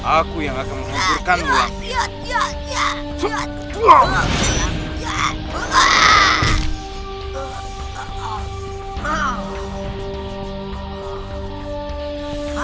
aku yang akan mengundurkanmu